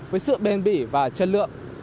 với sự bền bỉ và chất lượng